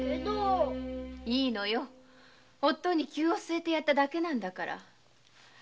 いいのよおっ父に灸をすえてやっただけなんだから。